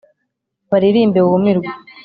Baririmbe wumirwe,